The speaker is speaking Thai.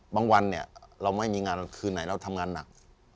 วันเนี่ยเราไม่มีงานคืนไหนเราทำงานหนัก